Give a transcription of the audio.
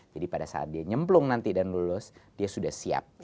jadi pada saat dia nyemplung nanti dan lulus dia sudah siap